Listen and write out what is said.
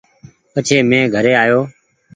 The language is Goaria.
پڇي مين گھري آيو ۔